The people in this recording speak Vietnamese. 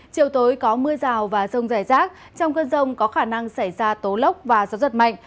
chiều tối có mưa rào và rông rải rác trong cơn rông có khả năng xảy ra tố lốc và gió giật mạnh